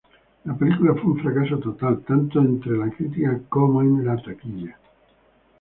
La película fue un fracaso total tanto entre la crítica como en taquilla.